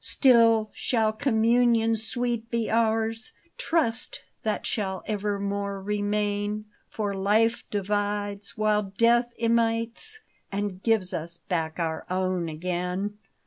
Still, shall communion sweet be ours : Trust that shall evennore remain ; For life divides, while death imites. And gives us back our own again.